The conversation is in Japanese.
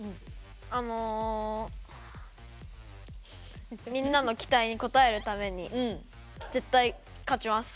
あのみんなの期待に応えるために絶対勝ちます。